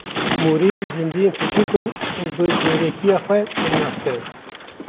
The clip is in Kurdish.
Mûrî zîndiyên biçûk in û bi zîrekiya xwe tên naskirin.